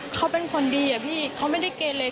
เขาเป็นคนดีอะพี่เขาไม่ได้เกณฑ์เลย